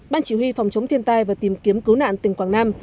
ban chỉ huy phòng chống thiên tai và tìm kiếm cứu nạn tỉnh quảng nam